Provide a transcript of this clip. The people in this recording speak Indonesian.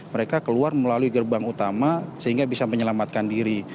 mereka keluar melalui gerbang utama sehingga bisa menyelamatkan diri